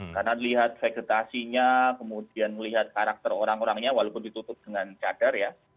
karena melihat vegetasinya kemudian melihat karakter orang orangnya walaupun ditutup dengan cagar ya